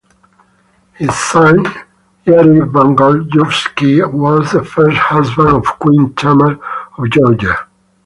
His son, Yuri Bogolyubsky, was the first husband of Queen Tamar of Georgia.